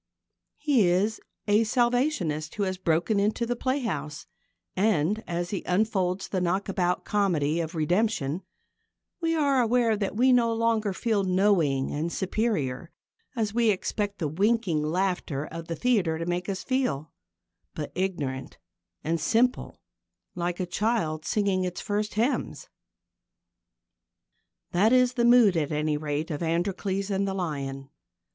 He is a Salvationist who has broken into the playhouse, and, as he unfolds the knockabout comedy of redemption, we are aware that we no longer feel knowing and superior, as we expect the winking laughter of the theatre to make us feel, but ignorant and simple, like a child singing its first hymns. That is the mood, at any rate, of Androcles and the Lion.